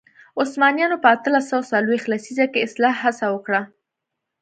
عثمانیانو په اتلس سوه څلوېښت لسیزه کې اصلاح هڅه وکړه.